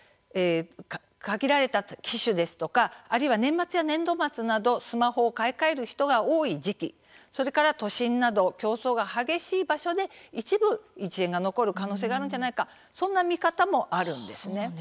限られた機種ですとか年末や年度末などスマホを買い替える人が多い時期それから都心など競争が激しい場所で一部１円が残る可能性があるんじゃないか、そういう見方もあるんです。